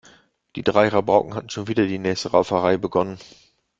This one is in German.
Die drei Rabauken hatten schon wieder die nächste Rauferei begonnen.